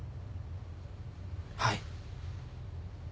はい。